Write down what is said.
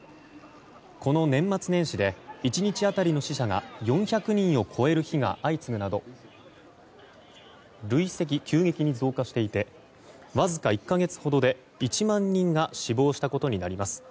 この年末年始で１日当たりの死者が４００人を超える日が相次ぐなど急激に増加していてわずか１か月ほどで１万人が死亡したことになります。